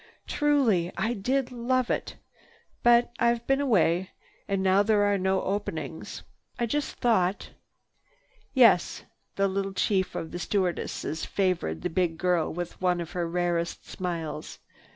Truly, I did love it. But I've been away. And now there are no openings. I just thought—" "Yes." The little chief of the stewardesses favored the big girl with one of her rarest smiles.